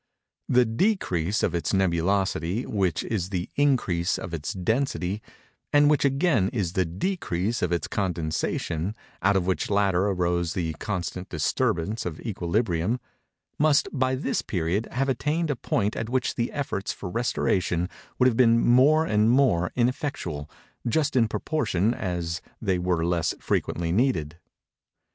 The _de_crease of its nebulosity, which is the _in_crease of its density, and which again is the _de_crease of its condensation, out of which latter arose the constant disturbance of equilibrium—must, by this period, have attained a point at which the efforts for restoration would have been more and more ineffectual just in proportion as they were less frequently needed.